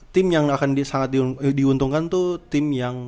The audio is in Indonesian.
tim yang akan sangat diuntungkan tuh tim yang